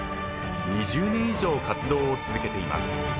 ［２０年以上活動を続けています］